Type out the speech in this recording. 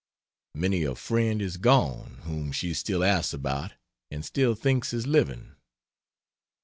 Many a friend is gone whom she still asks about and still thinks is living.